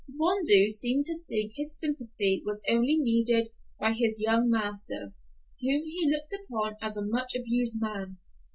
Rondeau seemed to think his sympathy was only needed by his young master, whom he looked upon as a much abused man.